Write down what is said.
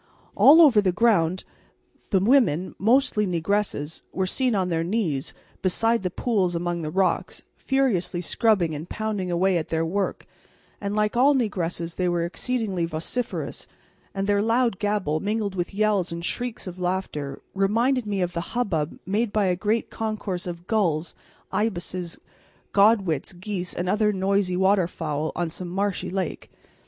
All over the ground the women, mostly negresses, were seen on their knees, beside the pools among the rocks, furiously scrubbing and pounding away at their work, and like all negresses they were exceedingly vociferous, and their loud gabble, mingled with yells and shrieks of laughter, reminded me of the hubbub made by a great concourse of gulls, ibises, godwits, geese, and other noisy water fowl on some marshy lake.